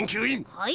はい？